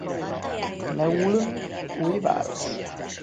Neu-Ulm új város.